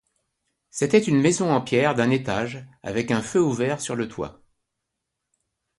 C'était une maison en pierre d'un étage avec un feu ouvert sur le toit.